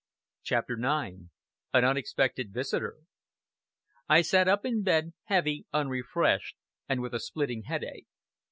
CHAPTER IX AN UNEXPECTED VISITOR I sat up in bed, heavy, unrefreshed, and with a splitting headache.